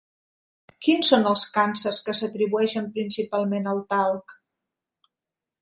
Quins són els càncers que s'atribueixen principalment al talc?